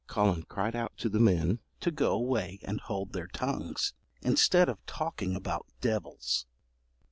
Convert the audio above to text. Collen cried out to the men to go away and hold their tongues, instead of talking about devils.